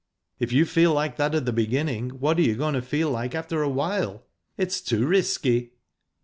If you feel like that at the beginning, what are you going to feel after a while? It's too risky?"